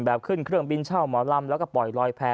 ขึ้นเครื่องบินเช่าหมอลำแล้วก็ปล่อยลอยแพ้